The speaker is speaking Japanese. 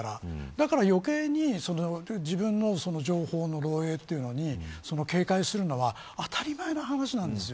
だから余計に自分の情報の漏えいというのに警戒するのは当たり前の話なんです。